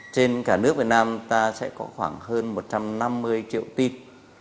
trên cả nước việt nam ta sẽ có khoảng hơn một trăm năm mươi triệu pin